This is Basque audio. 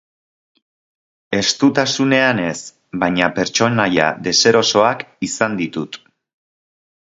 Estutasunean ez, baina pertsonaia deserosoak izan ditut.